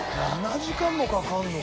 ７時間もかかるの？